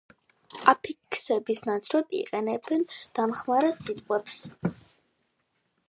აფიქსების ნაცვლად იყენებენ დამხმარე სიტყვებს.